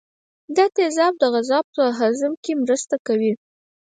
دا تیزاب د غذا په هضم کې مرسته کوي.